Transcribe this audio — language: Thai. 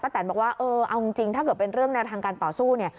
แตนบอกว่าเออเอาจริงถ้าเกิดเป็นเรื่องแนวทางการต่อสู้เนี่ย